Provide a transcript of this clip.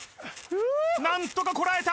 なんとかこらえた！